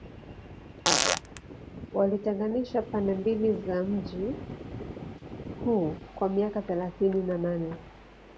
Walitenganisha pande mbili za mji huu kwa miaka thelathini na nane